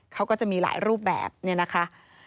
เขาก็จะมีหลายรูปแบบเนี่ยนะคะ